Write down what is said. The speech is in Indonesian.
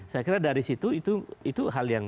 saya kira dari situ itu hal yang